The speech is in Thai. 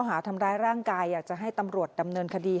หาทำร้ายร่างกายอยากจะให้ตำรวจดำเนินคดี